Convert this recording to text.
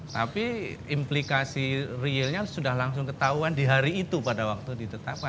tapi implikasi realnya sudah langsung ketahuan di hari itu pada waktu ditetapkan